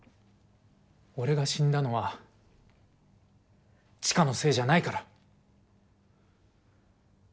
俺が死んだのは千佳のせいじゃないから。